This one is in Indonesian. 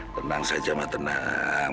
tenang saja ma tenang